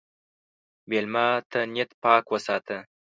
مېلمه ته نیت پاک وساته.